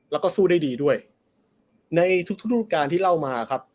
แล้วก็สู้ได้ดีด้วยในทุกทุกรูปการณ์ที่เล่ามาครับ